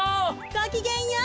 ごきげんよう！